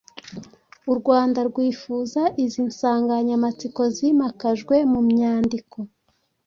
u Rwanda rwifuza. Izi nsanganyamatsiko zimakajwe mu myandiko